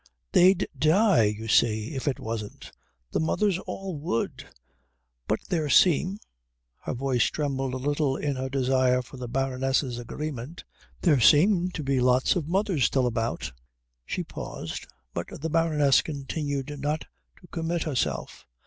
"They'd die, you see, if it wasn't the mothers all would. But there seem" her voice trembled a little in her desire for the Baroness's agreement "there seem to be lots of mothers still about." She paused, but the Baroness continued not to commit herself.